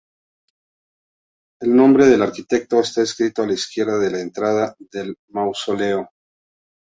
El nombre del arquitecto está escrito a la izquierda de la entrada del mausoleo.